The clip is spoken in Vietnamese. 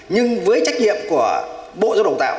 nhưng với trách nhiệm của bộ giáo dục đào tạo